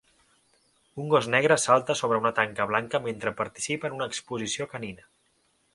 un gos negre salta sobre una tanca blanca mentre participa en una exposició canina.